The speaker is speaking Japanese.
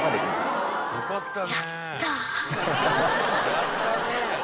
「やったね！」